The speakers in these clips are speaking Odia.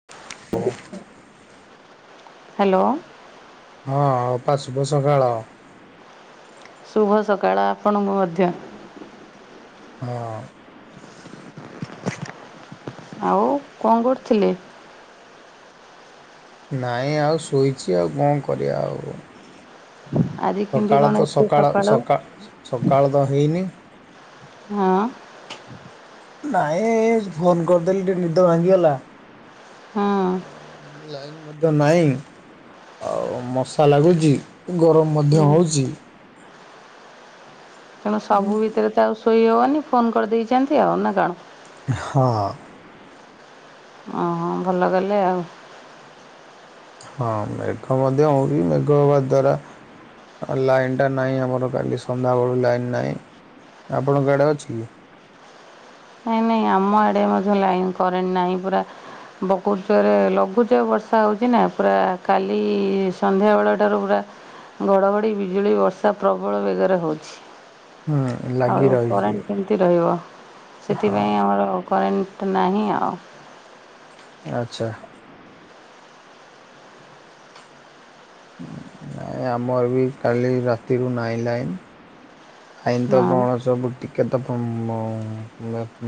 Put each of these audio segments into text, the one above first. [unintelligible] ହ୍ୟାଲୋ। ହଁ ଅପା ଶୁଭ ସକାଳ। ଶୁଭ ସକାଳ ଆପଣଙ୍କୁ ମଧ୍ୟ। ହଁ। ଆଉ କଣ କରୁଥିଲେ? ନାଇଁ ଆଉ ଶୋଇଛି ଆଉ କଣ କରିବା ଆଉ। ଆଜି କେମିତି ସକାଳ କଣ ତ ଏତେ ସକାଳ ସକାଳୁ ସକାଳ ସକାଳ ତ ହେଇନି। ହଁ। ନାଇଁ ଏଇ ଗୋନ କରିଦେଲି ନିଦ ଭାଙ୍ଗିଗଲା। ହଁ। ଲାଇନ୍ ମଧ୍ୟ ନାହିଁ। ଆଉ ମଶା ଲାଗୁଛି। ଗରମ ମଧ୍ୟ ହୁଁ। ହୋଉଛି। ତେଣୁ ସବୁ ଭିତରେ ତ ଆଉ ଶୋଇ ହବନି ଫୋନ କରିଦେଇଛନ୍ତି ଆଉ ନା କଣ? ହଁ। ଓଁ ଭଲ କଲେ ଆଉ। ହଁ ମେଘ ମଧ୍ୟ ହଉନି ମେଘ ହବା ଦ୍ଵାରା ଆ ଲାଇନି ଟା ନାହିଁ ଆମର କାଲି ସନ୍ଧ୍ୟାବେଳୁ ଲାଇନ୍ ନାହିଁ। ଆପଣଙ୍କଆଡ଼େ ଅଛି? ନାଇଁ ନାଇଁ ଆମ ଆଡେ ମଧ୍ୟ ଲାଇ କରେଣ୍ଟ ନାହିଁ ପରା। ବକୁତରେ ଲଘୁଚାପ ବର୍ଷା ହେଉଛି ନା ପୁରା କାଲି ସନ୍ଧ୍ୟାବେଳଠାରୁ ପୁରା ଘଡ଼ଘଡ଼ି ବିଜୁଳି ବର୍ଷା ପ୍ରବଳ ବେଗରେ ହଉଛି। ହୁଁ ଲାଗି ଆଉ ରହିଛି କରେଣ୍ଟ କେମିତି ରହିବ। ସେଥିପାଇଁ ହଁ ଆମର କରେଣ୍ଟ ନାହିଁ ଆଉ। ଆଛା। ଏ ଆମର ବି କାଲି ରାତିରୁ ନାହିଁ ଲାଇନ୍। ଲାଇ ନି ତ ହଁ କଣ ସବୁ ଟିକେତମ୍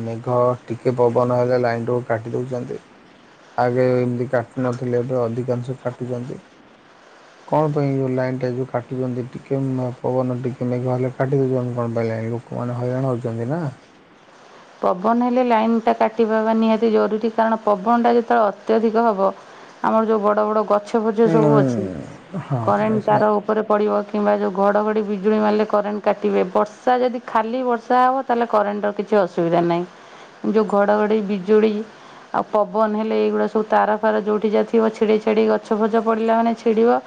ମେଘ ଟିକେ ପବନ ହେଲେ ଲାଇନ୍ଟିକୁ କାଟି ଦେଉଛନ୍ତି। ଆଗେ ଏମିତି କାଟୁ ନଥିଲେ ଏବେ ଅଧିକାଂଶ କାଟୁଛନ୍ତି। କଣ ପାଇଁ ଯୋଉ ଲାଇନ୍ ଟା ଯୋଉ କାଟୁଛନ୍ତି ଟିକେ ପବନ ଟିକେ ମେଘ ହେଲେ କାଟି ଦଉଛନ୍ତି କଣ ପାଇଁ ଲାଇନି? ଲୋକମାନେ ହଇରାଣ ହେଉଛନ୍ତି ନା। ପବନ ହେଲେ ଲାଇନଟା କାଟିବା ନିହାତି ଜରୁରୀ। କାରଣ ପବନଟା ଯେତେବେଳେ ଅତ୍ୟଧିକ ହବ। ଆମର ଯୋଉ ବଡ ବଡ ଗଛ ଫଛ ହଁ ସବୁ ଅଛି କରେଣ୍ ନାଇଁ ସେଟା ତାର ଉପରେ ପଡ଼ିବ କିମ୍ବା ଯେଉଁ ଘଡ଼ଘଡ଼ି ବିଜୁଳି ମାରିଲେ କରେଣ୍ଟ କାଟିବେ। ବର୍ଷା ଯଦି ଖାଲି ବର୍ଷା ହେବ ତାହେଲେ କରେଣ୍ଟର କିଛି ଅସୁବିଧା ନାଇଁ ଯୋଉ ଘଡ଼ଘଡ଼ି ବିଜୁଳି ଆଉ ପବନ ହେଲେ ଏଇଗୁଡ଼ା ସବୁ ତାର ଫାର ଯେଉଠି ଯାହା ଥିବ ଛିଡେଇ ଛାଡ଼େଇ ଗଛ ଫଛ ପଡ଼ିଲା ମାନେ ଛିଡ଼ିବ।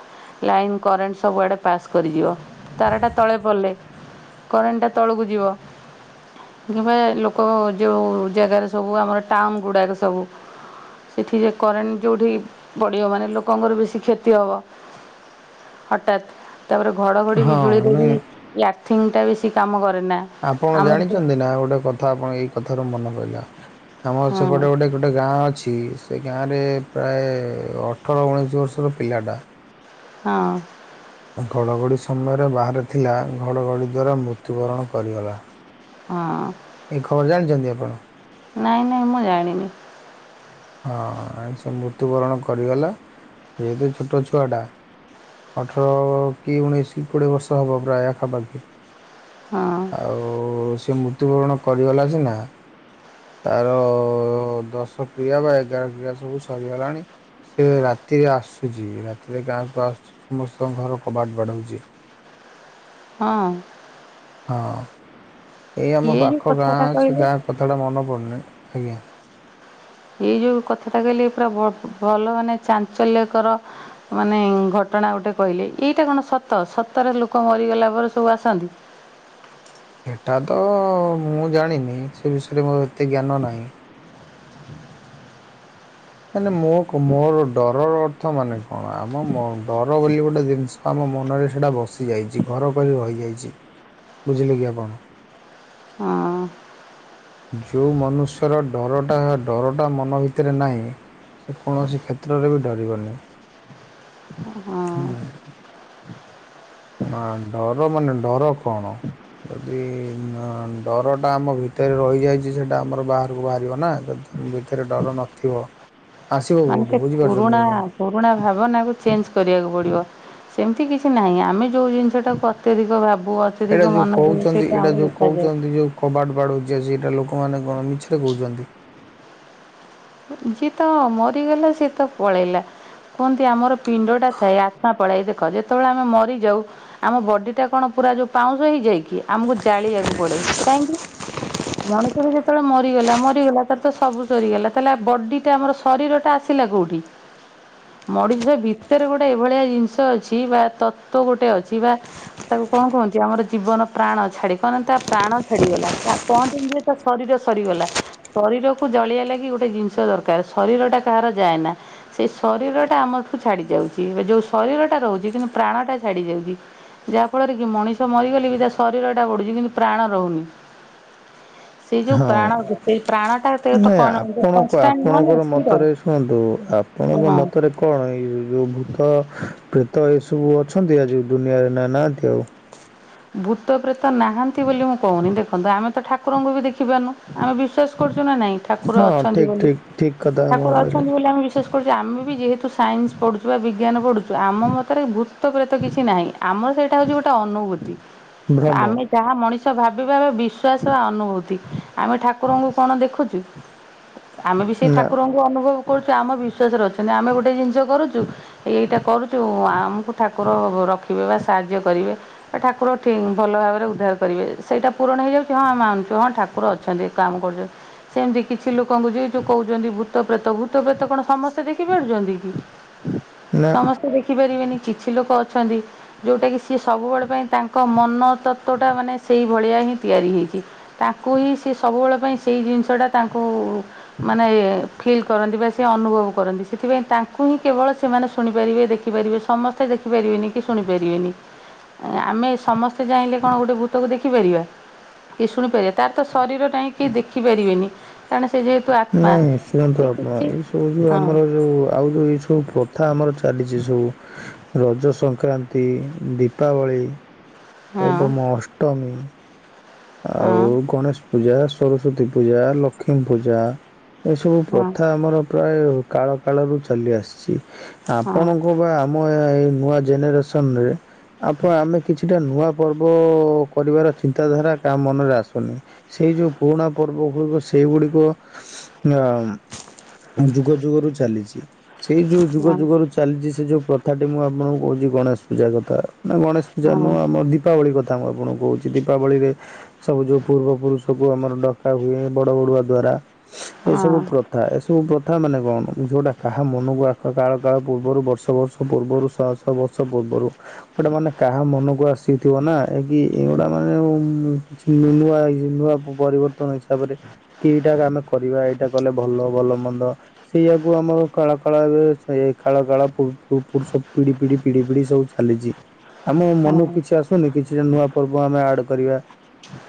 ଲାଇନ୍ କରେଣ୍ଟ୍ ସବୁଆଡ଼େ ପାସ୍ କରିଯିବ ତାରାଟା ତଳେ ପଡିଲେ। କରେଣ୍ଟଟା ତଳକୁ ଯିବ ଯେବେ ଲୋକ ଯୋଉ ଜାଗାରେ ସବୁ ଆମର ଟାଉନ ଗୁଡ଼ାକ ସବୁ ସେଠି ଯେ କରେଣ୍ଟ ଯେଉଠି ପଢ଼ିବ ମାନେ ଲୋକଙ୍କର ବେଶୀ କ୍ଷତି ହବ। ହଠାତ୍। ତାପରେ ଘଡ଼ଘଡ଼ି ହଁ ବିଜୁଳିରେ ନାଇଁ ବି ଅର୍ଥିଂ ଟା ବେଶି କାମ କରେନା। ଆପଣ ଆମର ତ ଜାଣିଛନ୍ତି ନା ଗୋଟେ କଥା ଆପଣ ଏଇ କଥ ରୁ ମନ ପଇଲା ଆମର ହଁ ସେପଟେ ଗୋଟେ ଗୋଟେ ଗାଁ ଅଛି ସେ ଗାଁରେ ପ୍ରାୟ ଅଠର ଉଣେଇଶ ବର୍ଷର ପିଲାଟା ହଁ। ଘଡ଼ଘଡ଼ି ସମୟରେ ବାହାରେ ଥିଲା ଘଡ଼ଘଡ଼ି ଦ୍ୱାରା ମୃତ୍ୟୁବରଣ କରିଗଲା। ହଁ। ଏ ଖବର ଜାଣିଛନ୍ତି ଆପଣ? ନାଇଁ ନାଇଁ ମୁଁ ଜାଣିନି। ହଁ ସେ ମୃତ୍ୟୁବରଣ କରିଗଲା ଯେହେତୁ ଛୋଟ ଛୁଆ ଟା ଅଠର କି ଉଣେଇଶି କି କୋଡିଏ ବର୍ଷ ହବ ପ୍ରାୟ ଆଖା ପାଖି। ହଁ। ଆଉ ସେ ମୃତ୍ୟୁବରଣ କରିଗଲା ସିନା ତାର ଦଶ କ୍ରିୟା ବା ଏଗାର କ୍ରିୟା ସବୁ ସରିଗଲାଣି। ସେ ରାତି ଆସୁଚି ରାତିରେ ଗାଁକୁ ଆସୁଚି ସମସ୍ତଙ୍କ ଘର କବାଟ ବାଡଉଚି। ହଁ। ହଁ ଏଇ ଆମ ଇଏ ଯେଉଁ ପାଖ କଥାଟା ଗାଁ ସେ କହିଲେ ଗାଁ କଥାଟା ମନ ପଡ଼ୁନି ଆଜ୍ଞା। ଏଇ ଯୋଉ କଥାଟା କହିଲେ ପୁରା ଭଲ ମାନେ ଚାଞ୍ଚଲ୍ୟକର ମାନେ ଘଟଣା ଗୋଟେ କହିଲେ ଏଇଟା କଣ ସତ ସତରେ ଲୋକ ମରିଗଲା ପରେ ସବୁ ଆସନ୍ତି। ହେଟା ତ ମୁଁ ଜାଣିନି ସେ ବିଷୟରେ ମୋର ଏତେ ଜ୍ଞାନ ନାହିଁ। ମାନେ ମୋ କ ମୋ ଡରର ଅର୍ଥ ମାନେ କଣ ଆମ ଡର ବୋଲି ଗୋଟେ ଜିନିଷ ଆମ ମନରେ ସେଟା ବସିଯାଇଚି ଘର କରି ରହିଯାଇଚି ବୁଝିଲେ କି ଆପଣ? ହଁ। ଯୋଉ ମନୁଷ୍ୟର ଡରଟା ଡରଟା ମନ ଭିତରେ ନାଇଁ ସେ କୌଣସି କ୍ଷେତ୍ରରେ ବି ଡରିବନି। ହଁ ହୁଁ। ନା ଡର ମାନେ ଡର କଣ? ଯଦି ଡରଟା ଆମ ଭିତରେ ରହିଯାଇଛି ସେଟା ଆମର ବାହାରକୁ ବାହାରିବ ନା। ଉଁ ଭିତରେ ଡର ନଥିବ ଆସିବ ମାନେ ସେ କଉଠୁ ପୁରୁଣା ବୁଝିପାରୁଛନ୍ତି ଆପଣ? ପୁରୁଣା ଭାବନାକୁ ଚେଞ୍ଜ କରିଆକୁ ପଡିବ। ସେମିତି କିଛି ନାଇଁ ଆମେ ଯୋଉ ଜିନିଷଟାକୁ ଅତ୍ୟଧିକ ଭାବୁ ଅ ଏଟା ଯୋଉ କହୁଚନ୍ତି ଏଟା ଯୋଉ କହୁଚନ୍ତି ଯୋଉ କବାଟ ବାଡ଼ଉଚି ଆସିକି ଏଟା ଲୋକମାନେ କଣ ମିଛରେ କହୁଚନ୍ତି। ଯିଏ ତ ମରିଗଲା ସିଏ ତ ପଳେଇଲା। କୁହନ୍ତି ଆମର ପିଣ୍ଡଟା ଥାଏ ଆତ୍ମା ପଳାଏ ଦେଖ ଯେତେବେଳେ ଆମେ ମରିଯାଉ ଆମ ବଡିଟା କଣ ପୁରା ଯୋଉ ପାଉଁଶ ହେଇଯାଇକି ଆମକୁ ଜାଳିଆକୁ ପଡେ କାଇଁକି? ମଣିଷତ ଯେତେବେଳେ ମରିଗଲା ମରିଗଲା ତାର ତ ସବୁ ସରିଗଲା। ତାହେଲେ ବଡିଟା ଆମର ଶରୀରଟା ଆସିଲା କୋଉଠି? ମଣିଷ ଭିତରେ ଗୋଟେ ଏଭଳିଆ ଜିନିଷ ଅଛି ବା ତତ୍ଵ ଗୋଟେ ଅଛି ବା ତାକୁ କଣ କହନ୍ତି ଆମର ଜୀବନ ପ୍ରାଣ ଛାଡି କଣ ତା ପ୍ରାଣ ଛାଡିଗଲା କହନ୍ତିନି ଯେ ତା ଶରୀର ସରିଗଲା ଶରୀରକୁ ଜଳିଆ ଲାଗି ଗୋ ଟେ ଜିନିଷ ଦରକାର ଶରୀର ଟା କାହାର ଯାଏ ନା। ସେ ଶରୀରଟା ଆମଠୁ ଛାଡ଼ିଯାଉଚି ବା ଯୋଉ ଶରୀରଟା ରହୁଚି କିନ୍ତୁ ପ୍ରାଣଟା ଛାଡ଼ିଯାଉଚି। ଯାଆ ଫଳରେ କି ମଣିଷ ମରିଗଲେ ବି ତା ଶରୀରଟା ଗଡୁଚି କିନ୍ତୁ ପ୍ରାଣ ରହୁନି। ସେ ଯଉ ହଁ ପ୍ରାଣ ସେଇ ପ୍ରାଣଟା [inaudible] ତ ତ କଣହବ। କ ଆପଣଙ୍କର ମତରେ ଶୁଣନ୍ତୁ ଆପଣଙ୍କ ହଁ ମତରେ କଣ ଏଇ ଯୋଉ ଭୂତ ପ୍ରେତ ଏ ସବୁ ଅଛନ୍ତି ଆଜି ଦୁନିଆରେ ନା ନାହାନ୍ତି ଆଉ। ଭୂତ ପ୍ରେତ ନାହାନ୍ତି ବୋଲି ମୁଁ କହୁନି। ଦେଖନ୍ତୁ ଆମେ ତ ଠାକୁରଙ୍କୁ ବି ଦେଖିପାରୁନୁ ଆମେ ବିଶ୍ୱାସ କରୁଛୁ ନା ନାଇଁ। ଠାକୁର ହଁ ଅଛନ୍ତି ଠିକ ବୋଲି, ଠିକ ଠିକ କଥା ଆପଣ ଠାକୁର କହିଲେ ଅଛନ୍ତି ବୋଲି ଆମେ ବି ଶ୍ୱାସ କରୁଛୁ। ଆମେ ବି ଯେହେତୁ ସାଇନ୍ସ ପଢ଼ୁଛୁ ବା ବିଜ୍ଞାନ ପଢୁଛୁ ଆମ ମତରେ ଭୂତପ୍ରେତ କିଛି ନାହିଁ। ଆମର ସେଇଟା ହଉଛି ଗୋଟେ ଅନୁଭୂତି। ଭ୍ରମ ଆମେ ଯାହା ମଣିଷ ଭାବିବା ବିଶ୍ଵାସ ବା ଅନୁଭୂତି, ଆମେ ଠାକୁରଙ୍କୁ କଣ ଦେଖୁଛୁ। ଆମେ ବି ସେଇ ନା ଠାକୁରଙ୍କୁ ଅନୁଭବ କରୁଛୁ। ଆମ ବିଶ୍ଵାସରେ ଅଛନ୍ତି ଆମେ ଗୋଟେ ଜିନିଷ କରୁଛୁ ଏଇଟା କରୁଛୁ ଆ ଆମକୁ ଠାକୁର ରଖିବେ ବା ସାହାଯ୍ୟ କରିବେ ବା ଠାକୁର କି ଭଲ ଭାବରେ ଉଦ୍ଧାର କରିବେ। ସେଇଟା ପୂରଣ ହେଇଯାଉଛି ହଁ ମାନୁଛୁ ହଁ ଠାକୁର ଅଛନ୍ତି କାମ କରୁଛୁ। ସେମିତି କିଛି ଲୋକଙ୍କୁ ଯେ ଯଉ କହୁଛନ୍ତି, ଭୂତ ପ୍ର୍ରେତ ଭୂତପ୍ରେତ କଣ ସମସ୍ତେ ଦେଖିପାରୁଛନ୍ତି କି? [inaudible] ସମସ୍ତେ ଦେଖିପାରିବେନି, କିଛି ଲୋକ ଅଛନ୍ତି ଯୋଉଟା କିି ସିଏ ସବୁବେଳେ ପାଇଁ ତା ଙ୍କ ମନ ତତ୍ଵଟା ମାନେ ସେଇଭଳିଆ ହିଁ ତିଆରି ହେଇଛି। ତାଙ୍କୁ ହିଁ ସେ ସବୁବେଳେ ପାଇଁ ସେଇ ଜିନିଷଟା ତାଙ୍କୁ ମାନେ ଫିଲ୍ କରନ୍ତି ବା ସେ ଅନୁଭବ କରନ୍ତି। ସେଥିପାଇଁ ତାଙ୍କୁ ହିଁ କେବଳ ସେମାନେ ଶୁଣିପାରିବେ ଦେଖ ଖି ପାରିବେ, ସମସ୍ତେ ଦେଖି ପାରିବେନି କି ଶୁଣି ପାରିବେନି ଆମେ ସମସ୍ତେ ଚାହିଁଲେ କଣ ଗୋଟେ ଭୂତକୁ ଦେଖିପାରିବା କିଏ ଶୁଣିପାରିବେ, ତାର ତ ଶରୀର ନାହିଁ କିଏ ଦେଖିପାରିବେନି କାରଣ ସେ ଯେହେ ନାଇଁ ଶୁଣନ୍ତୁ ଆପଣ, ଏଇ ସବୁ ଯୋଉ ହଁ ଆମର ଯୋଉ ଆଉ ଯଉଁ ଏଇ ସବୁ ପ୍ରଥା ଆମର ଚାଲିଛି ଏ ସବୁ ରଜ ସଂକ୍ରାନ୍ତି ଦୀପାବଳି ହଁ ଏବଂ ଅଷ୍ଟମୀ ଆଉ ହଁ ଗଣେଶ ପୂଜା ସରସ୍ଵତୀ ପୂଜା ଲକ୍ଷ୍ମୀ ପୂଜା ଏସବୁ ହଁ ପ୍ରଥା ଆମର ପ୍ରାୟ କାଳ କାଳରୁୁ ଚାଲି ଆସିଛି। ହଁ ଆପଣ ନୂଆ ବା ଆମ ଏଇ ନୂଆ ଜେନେରେସନ ରେ, ଆପଣ ଆମେ କିଛିଟା ନୂଆ ପର୍ବ କରିବାର ଚିନ୍ତାଧାରା କାହା ମନରେ ଆସୁନି, ସେଇ ଯୋଉ ପୁରୁଣା ପର୍ବ ଗୁଡ଼ିକୁ ସେଇଗୁଡ଼ିକୁ ଅ ଯୁଗ ଯୁଗରୁ ଚାଲିଛି ସେଇ ଯଉ ଯୁଗ ହଁ ଯୁଗରୁ ଚାଲିଛି ସେ ଯୋଉ ପ୍ରଥାଟି। ମୁଁ ଆପଣଙ୍କୁ କହୁଛି ଗଣେଶ ପୂଜା କଥା ମାନେ ଗଣେଶ ଯାହା ହଁ ନୁହ, ଆମ ଦୀପାବଳି କଥା ମୁଁ ଆପଣଙ୍କୁ କହୁଛି ଦୀପାବଳିରେ ସବୁ ଯୋଉ ପୂର୍ବ ପୁରୁଷକୁ ଆମର ଡକା ହୁଏ ବଡ଼ ବାଡ଼ୁଅଆ ଦ୍ଵାରା ଏ ସବୁ ହଁ ପ୍ର ଥା ଏସବୁ ପ୍ରଥା ମାନେ କଣ, ଯୋଉଟା କାହା ମନକୁ ଆ କାଳ କାଳ ପୂର୍ବରୁ ବର୍ଷ ବର୍ଷ ପୂର୍ବରୁ ଶ ତ ବର୍ଷ ପୂର୍ବରୁ ଗୋଟେ ମାନେ କାହା ମନକୁ ଆସିଥିବ ନା, ଏ କି ଏଗୁଡ଼ା ମାନେ କିଛି ନୂଆ ଇ ନୂଆ ପରିବର୍ତ୍ତନ ହିସାବରେ କି ଏଇଟା ଆମେ କରିବା ଏଇଟା କଲେ ଭଲ ଭଲ ମନ୍ଦ ସେଇଆାକୁୁ ଆମର କାଳ କାଳ, ଏବେ ସେ କାଳ କାଳ ପୁର ପୁ ପୂରୁଷ ପିଢ଼ି ପିଢ଼ି ପିଢ଼ି ପିଢ଼ି ସବୁ ଚାଲିଛି, ଆମେ ହଁ ମନକୁ କିଛି ଆସୁନି କିଛିଟା ନୂଆ ପର୍ବ ଆମେ ଆଡ୍ କରିବା।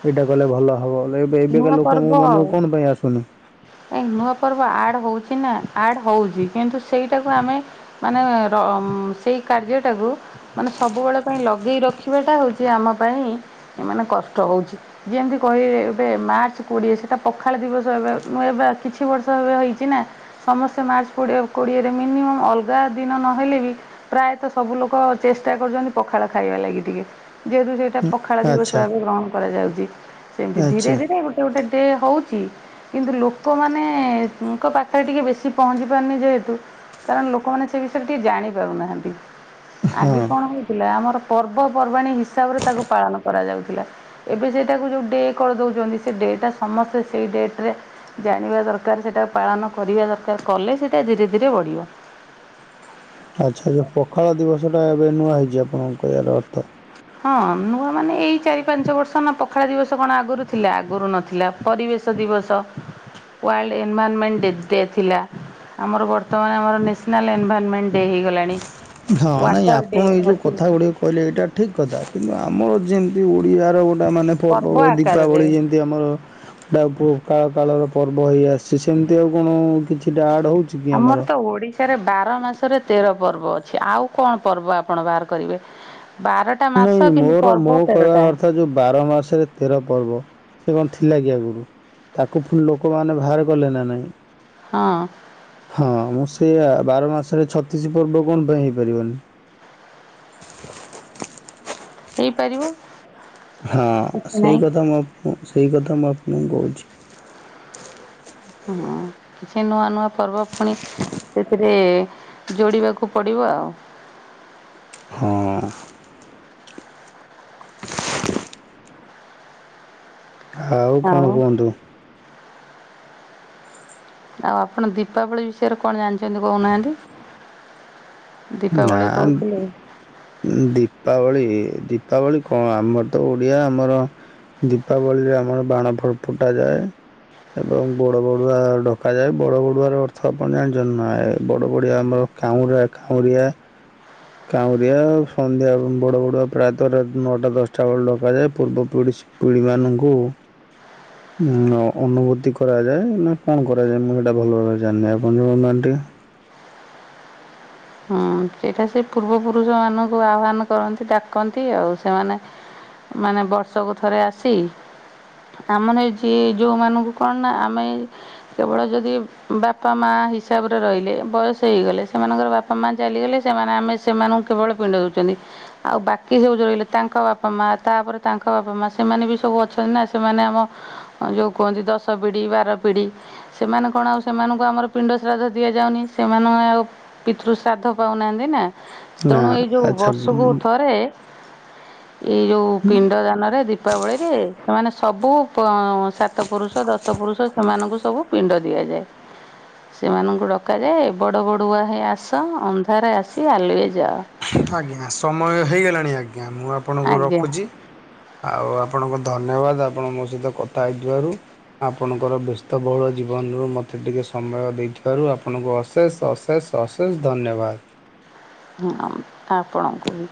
ଏଇଟା କଲେ ଭଲ ହବ। ଲେ ଏବେ ଏବେକା ନୂଆ ଲୋକଙ୍କୁ ମନକୁ କଣ ପାଇଁ ଆସୁନି କାହିଁକି ନୂଆ ପର୍ବ ଆଡ୍ ହଉଛି ନା ଆଡ୍ ହଉଛି। କିନ୍ତୁ ସେଇଟାକୁ ଆମେ ମାନେ ର ମ ସେଇ କାର୍ଯ୍ୟଟାକୁ ମାନେ ସବୁବେଳେ ପାଇଁ ଲଗେଇ ରଖିବାଟା ହଉଛି ଆମ ପାଇଁ ଏମାନେ କଷ୍ଟ ହଉଛି, ଯେମିତି କହିବେ ଏବେ ମାର୍ଚ୍ଚ କୋଡ଼ିଏ ସେଟା ପଖାଳ ଦିବସ ଏବେ ମୁଁ ଏବେ ଆ କିଛି ବର୍ଷ ଏବେ ହେଇଛି ନା ସମସ୍ତେ ମାର୍ଚ କୋଡ଼ି କୋଡ଼ିଏରେ ମିନିମମ୍ ଅଲଗା ଦିନ ନହେଲେ ବି ପ୍ରାୟତଃ ସବୁ ଲୋକ ଚେଷ୍ଟା କରୁଛନ୍ତି ପଖାଳ ଖାଇବା ଲାଗି ଟିକେ। ଯେହେତୁ ସେ ଟା ପଖାଳ ଦିବସ ଆଚ୍ଛା ଭାବେ ଗ୍ରହଣ କରାଯାଉଛି। ସେମିତି ଆଚ୍ଛା ଧୀରେ ଧୀରେ ଗୋଟେ ଗୋଟେ ଡେ ହଉଚି କିନ୍ତୁ ଲୋକମାନେଙ୍କ ପାଖରେ ଟିକେ ବେଶୀ ପହଞ୍ଚି ପାରୁନି ଯେହେତୁ କାରଣ ଲୋକମାନେ ସେ ବିଷୟରେ ଟିକେ ଜାଣି ପାରୁନାହାନ୍ତି। ହଁ ଆଗେ କଣ ହେଇ ଥିଲା, ଆମର ପର୍ବପର୍ବାଣୀ ହିସାବରେ ତାକୁ ପାଳନ କରାଯାଉଥିଲା। ଏବେ ସେଇଟାକୁ ଯୋଉ ଡେ କରିଦେଉଛନ୍ତି ସେ ଡେ ଟା ସମସ୍ତେ ସେଇ ଡେଟ୍ ରେ ଜାଣିବା ଦରକାର ସେଇଟାକୁ ପାଳନ କରିବା ଦରକାର କଲେ ସେଇଟା ଧୀରେ ଧୀରେ ବଢ଼ିବ। ଆଚ୍ଛା ଯଉ ପଖାଳ ଦିବସଟା ଏବେ ନୂଆ ହେଇଛି ଆପଣଙ୍କ କହିବାର ଅର୍ଥ? ହଁ ନୂଆ ମାନେ ଏଇ ଚାରି ପାଞ୍ଚ ବର୍ଷ ନା ପଖାଳା ଦିବସ କଣ ଆଗୁରୁ ଥିଲା ଆଗୁରୁ ନଥିଲା। ପରିବେଶ ଦିବସ ୱାର୍ଲଡ ଏନଭାରମେଣ୍ଟ ଡେ ଥିଲା। ଆମର ବର୍ତ୍ତମାନ ଆମର ନ୍ୟାସନାଲ୍ ଏନଭାରମେଣ୍ଟ ଡେ ହୋଇଗଲାଣି। ହଁ ନାଇଁ ଆପଣ ଏଇ ଯେଉଁ କଥା ଗୁଡ଼ିକ କହିଲେ ଏଇଟା ଠିକ୍ କଥା କିନ୍ତୁ ଆମର ଯେମିତି ଓଡ଼ିଆର ଗୋଟେ ମାନେ ପର୍ବ ଦୀପାବଳି ଯେମୀତି ତୀ ଆମର ଡାବୁ କାଳ କାଳର ପର୍ବ ହେଇ ଆସିଛି ସେମିତି ଆଉ କଣ କିଛିଟା ଆଡ୍ ହଉ ଆମର ତ ଓଡି ବାର ମାସରେ ତେର ପର୍ବ ଅଛି ଆଉ କଣ ପର୍ବ ଆପଣ ବାହାର କରିବେ ବାର ନାଇଁ ମୋର ମୋ କହିବାର ଅର୍ଥ ଯୋଉ ବାର ମାସରେ ତେର ପର୍ବ ସେ କଣ ଥିଲା କି ଆଗରୁ ତାକୁ ଫୁ ଲୋକମାନେ ବାହାର କଲେ ନା ନାଇଁ। ହଁ। ହଁ ମୁଁ ସେଇଆ ବାର ମାସରେ ଛତିଶ ପର୍ବ କଣ ପାଇଁ ହେଇପାରିବନି। ହେଇପାରିବ। ହଁ କିଛି ସେଇ ନାହିଁ। କଥା ମୁଁ ଆପଙ୍କୁ ସେଇ କଥା ମୁଁ ଆପଣଙ୍କୁ କହୁଛି। ହୁଁ କିଛି ନୂଆ ନୂଆ ପର୍ବ ଫୁଣି ସେଥିରେ ଯୋଡିବାକୁ ପଡିବ ଆଉ। ହଁ। ଆଉ କଣ କୁହନ୍ତୁ। ଆଉ ଆପଣ ଦୀପାବଳି ବିଷୟରେ କଣ ଜାଣିଚନ୍ତି କହୁନାହାନ୍ତି? ଦୀପାବଳୀ କହୁଥିଲେ ଦୀପାବଳୀ ଦୀପାବଳୀ କଣ ଆମର ତ ଓଡିଆ ଆମର ଦୀପାବଳୀରେ ଆମର ବାଣ ଫର ଫୁଟାଯାଏ। ଏବଂ ବଡ଼ ବଡ଼ୁଆ ଡକାଯାଏ ବଡ଼ ବଡ଼ୁଆର ଅର୍ଥ ଆପଣ ଜାଣିଛନ୍ତି ନା ଏ ବଡ଼ ବଡ଼ିଆ ଆମର କାଉଁରା ଖାଉଁରିଆ କାଉଁରିଆ ସନ୍ଧ୍ୟା ବଡ ବଡ଼ୁଆ ପ୍ରାୟତଃ ରା ନଅଟା ଦଶଟା ବେଳେ ଡକାଯାଏ ପୂର୍ବ ପିଡିସ ପିଢ଼ୀମାନଙ୍କୁ ଅ ଅନୁଭୂତି କରାଯାଏ ନା କଣ କରାଯାଏ। ମୁଁ ସେଇଟା ଭଲ ଭାବରେ ଜାଣିନାହିଁ ଆପଣ ଜଣାଉନାହାନ୍ତି ଟିକେ। ହୁଁ ସେଇଟା ସେ ପୂର୍ବ ପୁରୁଷ ମାନଙ୍କୁ ଆହ୍ୱାନ କରନ୍ତି ଡାକନ୍ତି ଆଉ ସେମାନେ ମାନେ ବର୍ଷକୁ ଥରେ ଆସି ଆମର ଯି ଯୋଉମାନଙ୍କୁ କଣ ନା ଆମେ କେବଳ ଯଦି ବାପା ମା ହିସାବରେ ରହିଲେ, ବୟସ ହେଇଗଲେ ସେମାନଙ୍କର ବାପ୍ ସେମାନ ଚାଲିଗଲେ ସେମାନେ ଆମେ ସେମାନଙ୍କୁ କେବଳ ପିଣ୍ଡ ଦେଉଛନ୍ତି। ଆଉ ବାକି ସବୁ ରହିଲେ ତାଙ୍କ ବାପା ମା ତାପରେ ତାଙ୍କ ବାପା ମା ସେମାନେ ବି ସବୁ ଅଛନ୍ତି ନା ସେମାନେ ଆମ ଯୋଉ କୁହନ୍ତି ଦଶ ପିଢି ବାର ପିଢ଼ି ସେମାନେ କଣ ଆଉ ସେମାନଙ୍କୁ ଆମର ପିଣ୍ଡ ଶ୍ରାଦ୍ଧ ଦିଆଯାଉନି ସେମାନେ ଆଉ ପିତୃ ଶ୍ରାଦ୍ଧ ପାଉନାହାଁନ୍ତି ନା ନା ତେଣୁ ଏଇ ଯେଉଁ ଆଚ୍ଛା। ବର୍ଷକୁ ଥରେ ଏଇ ଯୋଉ ପିଣ୍ଡ ଦାନରେ ଦି ଦୀପାବଳୀ‍ରେ ସେମାନେ ସବୁ ପ ସାତ ପୁରୁଷ ଦଶ ପୁରୁଷ ସେମାନଙ୍କୁ ସବୁ ପିଣ୍ଡ ଦିଆଯାଏ। ସେମାନଙ୍କୁ ଡକାଯାଏ ବଡ଼ ବଡ଼ୁଆ ହେ ଆ ଆସ ଅନ୍ଧାରେ ଆସି ଆଲୁଏ ଯାଅ। ଆଜ୍ଞା ସମୟ ହେଇଗଲାଣି ଆଜ୍ଞା ମୁଁ ଆପଣଙ୍କୁ ଆଜ୍ଞା ରଖୁଛି। ଆଉ ଆପଣଙ୍କୁ ଧନ୍ୟବାଦ ଆପଣ ମୋ ସହିତ କଥା ହେଇଥିବାରୁ। ଆପଣଙ୍କର ବ୍ୟସ୍ତବହୁଳ ଜୀବନରୁ ମୋତେ ଟିକେ ସମୟ ଦେଇଥିବାରୁ ଆପଣଙ୍କୁ ଅଶେଷ ଅଶେଷ ଅଶେଷ ଧନ୍ୟବାଦ। ହଁ ଆପଣଙ୍କୁ ବି।